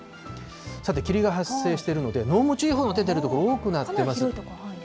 さて霧が発生しているので、濃霧注意報の出ている所多くなっています。